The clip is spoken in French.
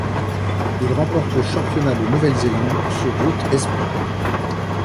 Il remporte le championnat de Nouvelle-Zélande sur route espoirs.